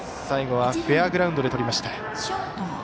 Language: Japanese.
最後はフェアグラウンドでとりました。